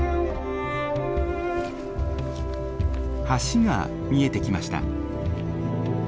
橋が見えてきました。